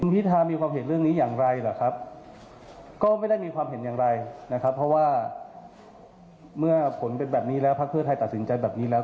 เพราะว่าเมื่อผลเป็นแบบนี้แล้วพรรคเพื่อไทยตัดสินใจแบบนี้แล้ว